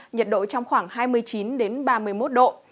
nhiệt độ trong khoảng hai mươi chín ba mươi một độ